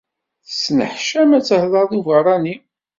Tettneḥcam ad tehder d ubeṛṛani.